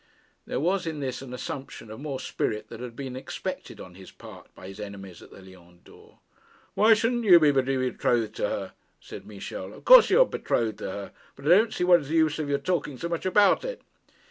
There was in this an assumption of more spirit than had been expected on his part by his enemies at the Lion d'Or. 'Why shouldn't you be betrothed to her?' said Michel. 'Of course you are betrothed to her; but I don't see what is the use of your talking so much about it.'